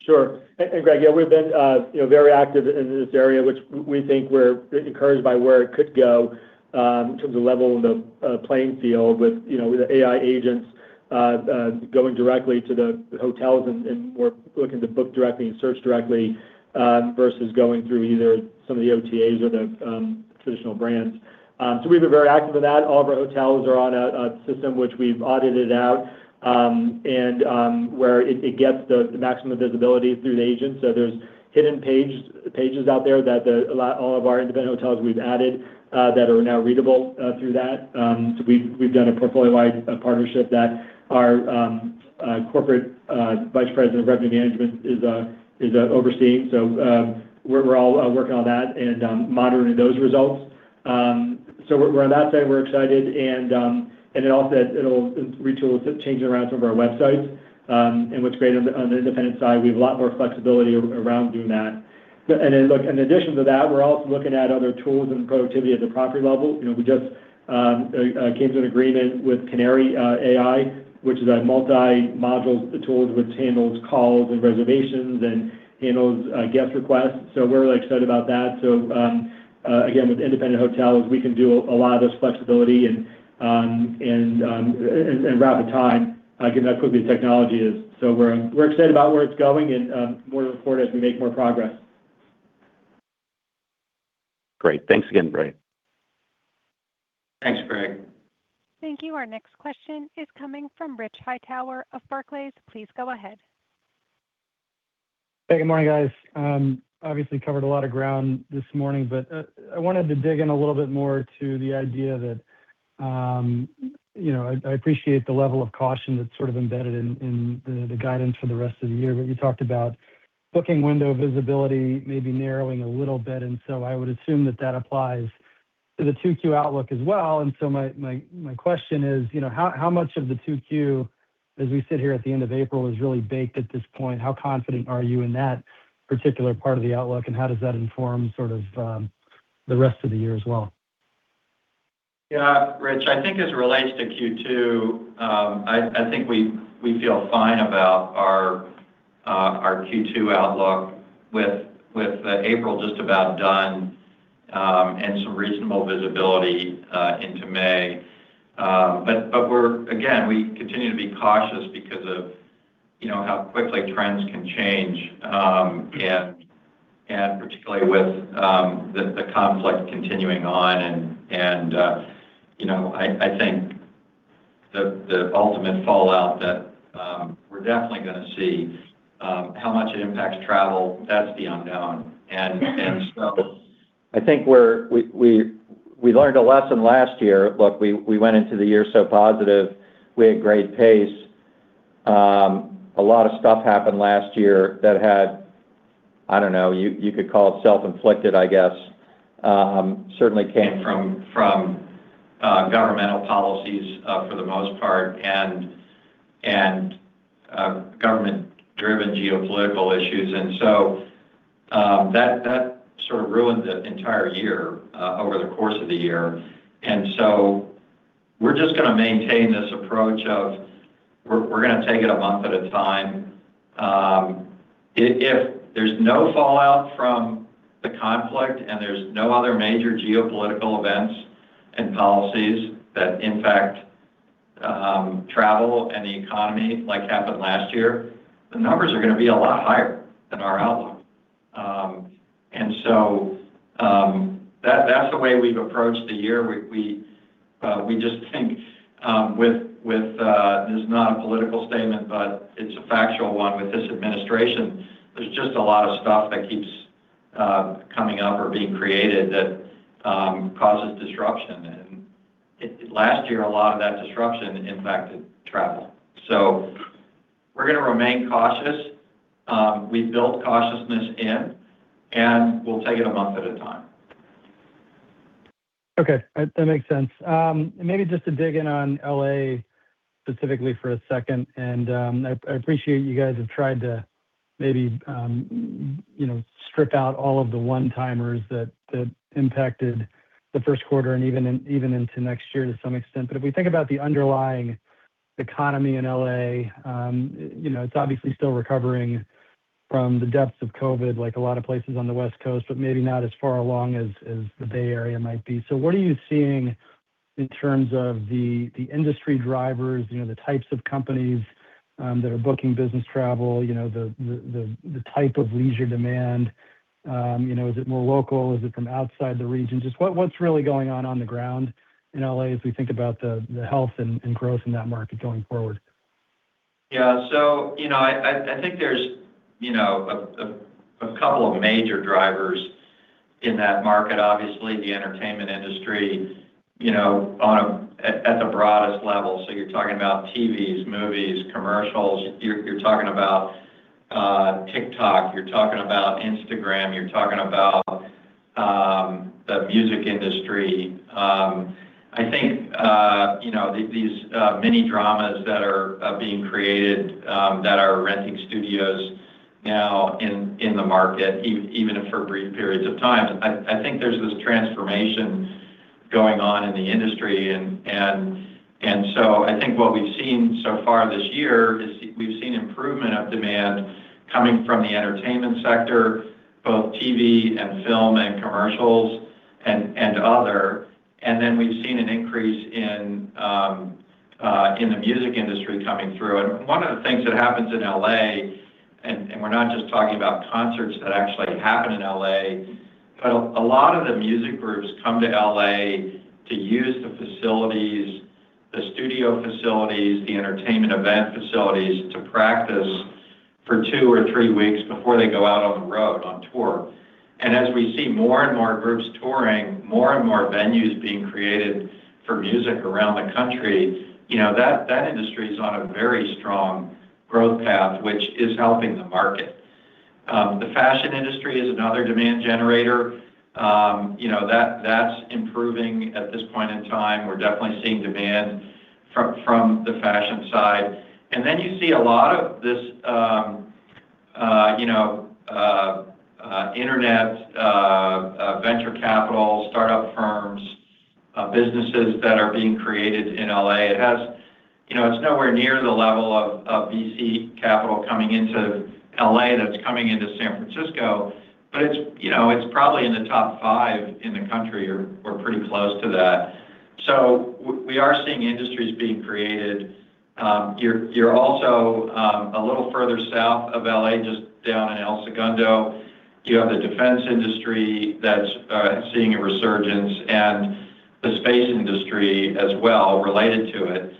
Sure. Greg, yeah, we've been, you know, very active in this area, which we think we're encouraged by where it could go, in terms of leveling the playing field with, you know, with the AI agents going directly to the hotels and looking to book directly and search directly versus going through either some of the OTAs or the traditional brands. We've been very active in that. All of our hotels are on a system which we've audited out, and where it gets the maximum visibility through the agents. There's hidden pages out there that all of our independent hotels we've added that are now readable through that. We've done a portfolio-wide partnership that our corporate vice president of revenue management is overseeing. We're all working on that and monitoring those results. We're on that side, we're excited. It also it'll change around some of our websites. What's great on the independent side, we have a lot more flexibility around doing that. Look, in addition to that, we're also looking at other tools and productivity at the property level. You know, we just came to an agreement with Canary Technologies, which is a multi-module tool which handles calls and reservations and handles guest requests. We're really excited about that. Again, with independent hotels, we can do a lot of this flexibility and, and rapid time, given how quickly the technology is. We're, we're excited about where it's going and more to report as we make more progress. Great. Thanks again, Brad. Thanks, Greg. Thank you. Our next question is coming from Richard Hightower of Barclays. Please go ahead. Hey, good morning, guys. Obviously covered a lot of ground this morning, I wanted to dig in a little bit more to the idea that I appreciate the level of caution that's embedded in the guidance for the rest of the year. You talked about booking window visibility maybe narrowing a little bit, I would assume that that applies the 2Q outlook as well. My question is, how much of the 2Q as we sit here at the end of April is really baked at this point? How confident are you in that particular part of the outlook and how does that inform the rest of the year as well? Yeah, Rich, I think as it relates to Q2, I think we feel fine about our Q2 outlook with April just about done and some reasonable visibility into May. We continue to be cautious because of, you know, how quickly trends can change, and particularly with the conflict continuing on and, you know, I think the ultimate fallout that we're definitely gonna see, how much it impacts travel, that's the unknown. I think we learned a lesson last year. Look, we went into the year so positive. We had great pace. A lot of stuff happened last year that had, I don't know, you could call it self-inflicted, I guess. Certainly came from governmental policies for the most part and government-driven geopolitical issues. That sort of ruined the entire year over the course of the year. We're just gonna maintain this approach of we're gonna take it a month at a time. If there's no fallout from the conflict and there's no other major geopolitical events and policies that impact travel and the economy like happened last year, the numbers are gonna be a lot higher than our outlook. That's the way we've approached the year. We just think this is not a political statement, but it's a factual one with this administration. There's just a lot of stuff that keeps coming up or being created that causes disruption. Last year, a lot of that disruption impacted travel. We're gonna remain cautious. We've built cautiousness in, and we'll take it a month at a time. Okay. That makes sense. Maybe just to dig in on L.A. specifically for a second, I appreciate you guys have tried to maybe, you know, strip out all of the one-timers that impacted the first quarter and even into next year to some extent. If we think about the underlying economy in L.A., you know, it's obviously still recovering from the depths of COVID, like a lot of places on the West Coast, but maybe not as far along as the Bay Area might be. What are you seeing in terms of the industry drivers, you know, the types of companies that are booking business travel, you know, the type of leisure demand? You know, is it more local? Is it from outside the region? Just what's really going on on the ground in L.A. as we think about the health and growth in that market going forward? Yeah. You know, I think there's, you know, a couple of major drivers in that market. Obviously, the entertainment industry, you know, at the broadest level. You're talking about TVs, movies, commercials. You're talking about TikTok. You're talking about Instagram. You're talking about the music industry. I think, you know, these mini dramas that are being created that are renting studios now in the market, even if for brief periods of time. I think there's this transformation going on in the industry. I think what we've seen so far this year is we've seen improvement of demand coming from the entertainment sector, both TV and film and commercials and other. We've seen an increase in the music industry coming through. One of the things that happens in L.A., and we're not just talking about concerts that actually happen in L.A., but a lot of the music groups come to L.A. to use the facilities, the studio facilities, the entertainment event facilities to practice for two or three weeks before they go out on the road on tour. As we see more and more groups touring, more and more venues being created for music around the country, you know, that industry is on a very strong growth path, which is helping the market. The fashion industry is another demand generator. You know, that's improving at this point in time. We're definitely seeing demand from the fashion side. Then you see a lot of this, you know, internet, venture capital, startup firms, businesses that are being created in L.A. It has, you know, it's nowhere near the level of VC capital coming into L.A. that's coming into San Francisco, but it's, you know, it's probably in the top five in the country or pretty close to that. We are seeing industries being created. You're also a little further south of L.A., just down in El Segundo, you have the defense industry that's seeing a resurgence and the space industry as well related to it.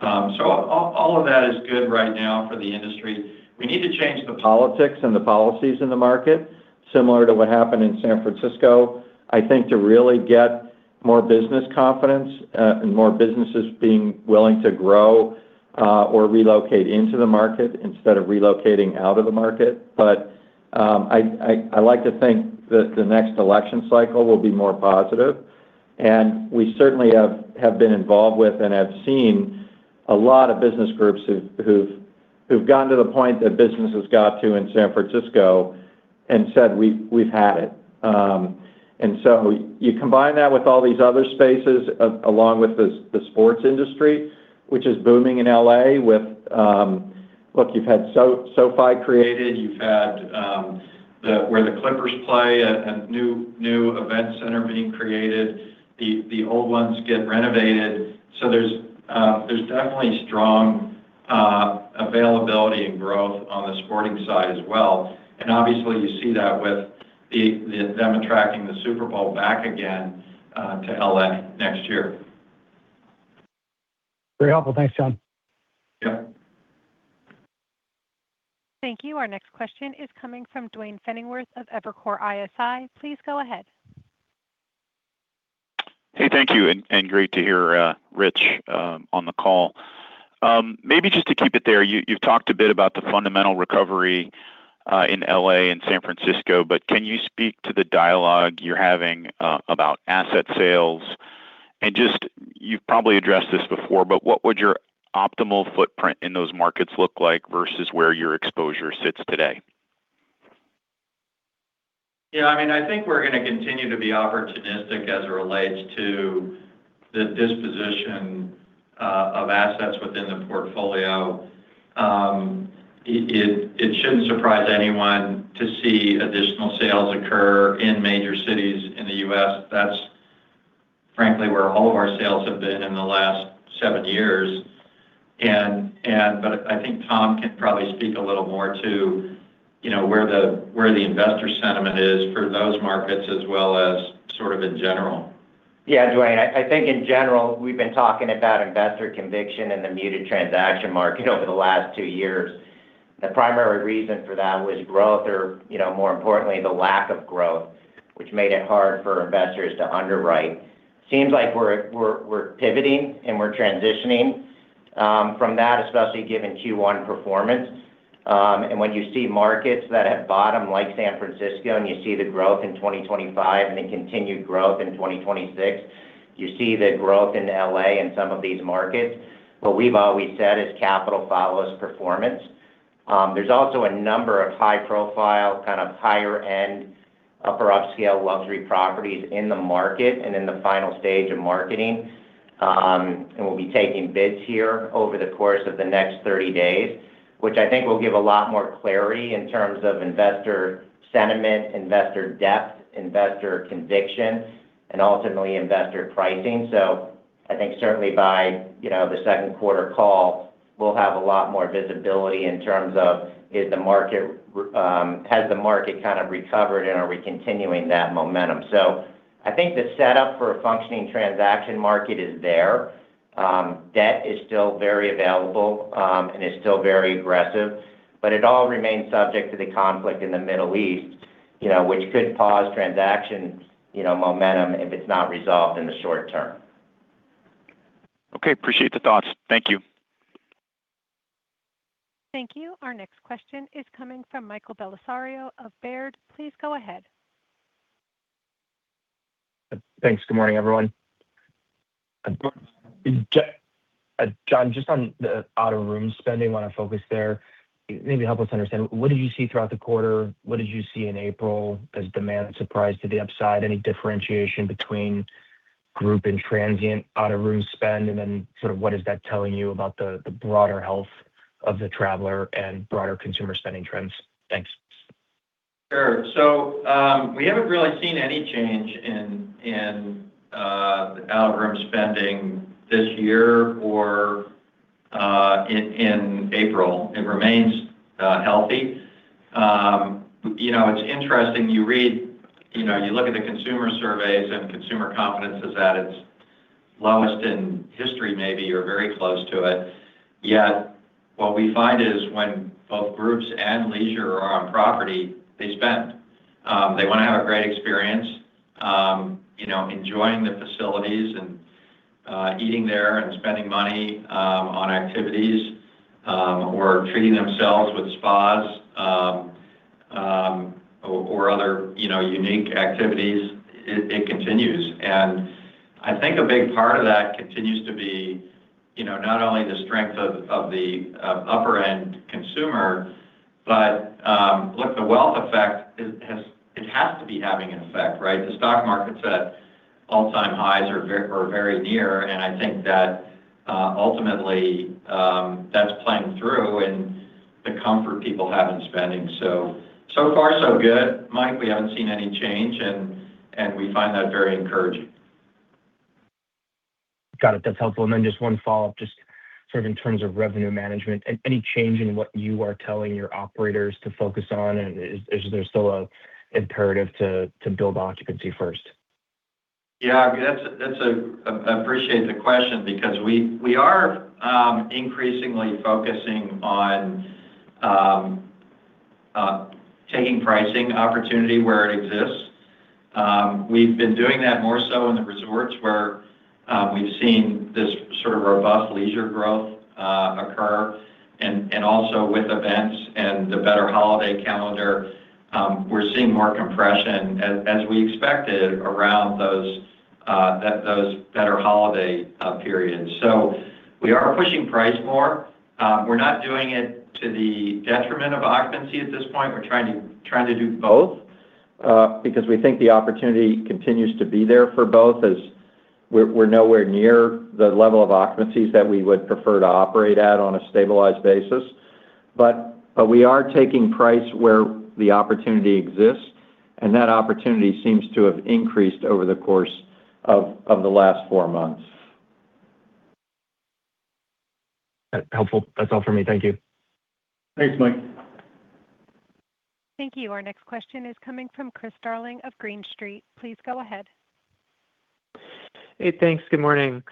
All, all of that is good right now for the industry. We need to change the politics and the policies in the market similar to what happened in San Francisco, I think, to really get more business confidence, and more businesses being willing to grow, or relocate into the market instead of relocating out of the market. I like to think that the next election cycle will be more positive. We certainly have been involved with and have seen a lot of business groups who've gotten to the point that business has got to in San Francisco and said, "We've, we've had it." You combine that with all these other spaces, along with the sports industry, which is booming in L.A. with. Look, you've had SoFi created, you've had where the Clippers play a new event center being created, the old ones get renovated. There's definitely strong availability and growth on the sporting side as well. Obviously you see that with them attracting the Super Bowl back again to L.A. next year. Very helpful. Thanks, Jon. Yep. Thank you. Our next question is coming from Duane Pfennigwerth of Evercore ISI. Please go ahead. Hey, thank you, and great to hear Rich on the call. Maybe just to keep it there, you've talked a bit about the fundamental recovery in L.A. and San Francisco, but can you speak to the dialogue you're having about asset sales? Just, you've probably addressed this before, but what would your optimal footprint in those markets look like versus where your exposure sits today? Yeah, I mean, I think we're gonna continue to be opportunistic as it relates to the disposition of assets within the portfolio. It shouldn't surprise anyone to see additional sales occur in major cities in the U.S. That's frankly where all of our sales have been in the last seven years. But I think Tom can probably speak a little more to, you know, where the investor sentiment is for those markets as well as sort of in general. Yeah, Duane, I think in general, we've been talking about investor conviction in the muted transaction market over the last two years. The primary reason for that was growth or, you know, more importantly, the lack of growth, which made it hard for investors to underwrite. Seems like we're pivoting, and we're transitioning from that, especially given Q1 performance. When you see markets that have bottom like San Francisco, and you see the growth in 2025 and the continued growth in 2026, you see the growth in L.A. and some of these markets. What we've always said is capital follows performance. There's also a number of high profile, kind of higher end, upper upscale luxury properties in the market and in the final stage of marketing. We'll be taking bids here over the course of the next 30 days, which I think will give a lot more clarity in terms of investor sentiment, investor depth, investor conviction, and ultimately investor pricing. I think certainly by, you know, the second quarter call, we'll have a lot more visibility in terms of is the market Has the market kind of recovered, and are we continuing that momentum? I think the setup for a functioning transaction market is there. Debt is still very available, and is still very aggressive. It all remains subject to the conflict in the Middle East, you know, which could pause transaction, you know, momentum if it's not resolved in the short term. Okay. Appreciate the thoughts. Thank you. Thank you. Our next question is coming from Michael Bellisario of Baird. Please go ahead. Thanks. Good morning, everyone. Jon, just on the out-of-room spending, wanna focus there, maybe help us understand, what did you see throughout the quarter? What did you see in April as demand surprised to the upside? Any differentiation between group and transient out-of-room spend? Then sort of what is that telling you about the broader health of the traveler and broader consumer spending trends? Thanks. Sure. We haven't really seen any change in out-of-room spending this year or in April. It remains healthy. You know, it's interesting. You know, you look at the consumer surveys, and consumer confidence is at its lowest in history maybe or very close to it. Yet, what we find is when both groups and leisure are on property, they spend. They wanna have a great experience, you know, enjoying the facilities and eating there and spending money on activities or treating themselves with spas or other, you know, unique activities. It continues. I think a big part of that continues to be, you know, not only the strength of the upper-end consumer, but look, the wealth effect has to be having an effect, right? The stock market's at all-time highs or very near, and I think that ultimately, that's playing through in the comfort people have in spending. So far so good. Mike, we haven't seen any change, and we find that very encouraging. Got it. That's helpful. Then just one follow-up, just sort of in terms of revenue management. Any change in what you are telling your operators to focus on, and is there still an imperative to build occupancy first? That's a, appreciate the question because we are increasingly focusing on taking pricing opportunity where it exists. We've been doing that more so in the resorts where we've seen this sort of robust leisure growth occur, and also with events and the better holiday calendar, we're seeing more compression as we expected around those better holiday periods. We are pushing price more. We're not doing it to the detriment of occupancy at this point. We're trying to do both because we think the opportunity continues to be there for both as we're nowhere near the level of occupancies that we would prefer to operate at on a stabilized basis. We are taking price where the opportunity exists, and that opportunity seems to have increased over the course of the last four months. That's helpful. That's all for me. Thank you. Thanks, Mike. Thank you. Our next question is coming from Chris Darling of Green Street. Please go ahead. Hey, thanks. Good morning.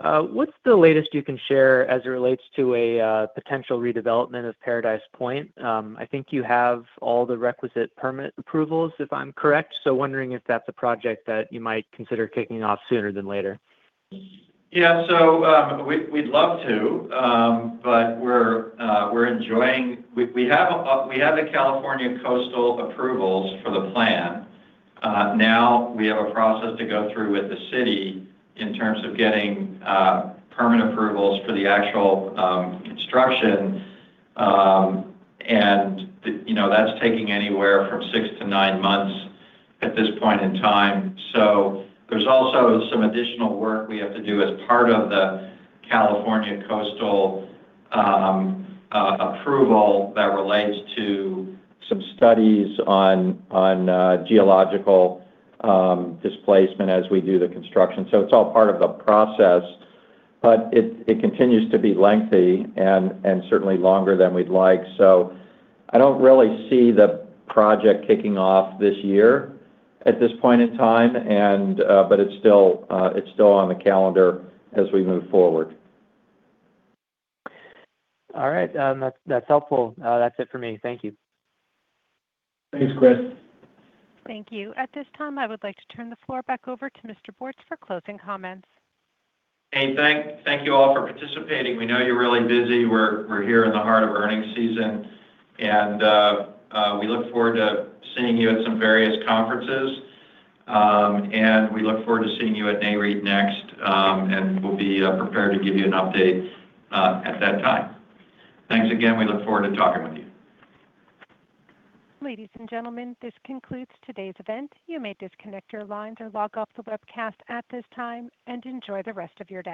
What's the latest you can share as it relates to a potential redevelopment of Paradise Point? I think you have all the requisite permit approvals, if I'm correct. Wondering if that's a project that you might consider kicking off sooner than later? We'd love to, but we have the California Coastal approvals for the plan. Now we have a process to go through with the city in terms of getting permit approvals for the actual construction. You know, that's taking anywhere from 6 to 9 months at this point in time. There's also some additional work we have to do as part of the California Coastal approval that relates to some studies on geological displacement as we do the construction. It's all part of the process, but it continues to be lengthy and certainly longer than we'd like. I don't really see the project kicking off this year at this point in time, and, but it's still on the calendar as we move forward. All right. That's helpful. That's it for me. Thank you. Thanks, Chris. Thank you. At this time, I would like to turn the floor back over to Mr. Bortz for closing comments. Hey, thank you all for participating. We know you're really busy. We're here in the heart of earnings season, and we look forward to seeing you at some various conferences. We look forward to seeing you at Nareit next. We'll be prepared to give you an update at that time. Thanks again. We look forward to talking with you. Ladies and gentlemen, this concludes today's event. You may disconnect your lines or log off the webcast at this time. Enjoy the rest of your day.